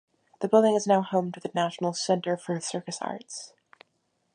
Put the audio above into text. The building is now home to the National Centre for Circus Arts.